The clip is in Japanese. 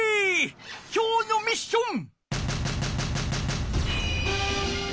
今日のミッション！